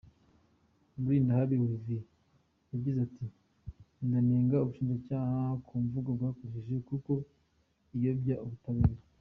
Mulindahabi Olivier yagize ati : “Ndanenga ubushinjacyaha ku mvugo bwakoresheje kuko iyobya ubutabera.